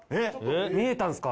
見えたんですか？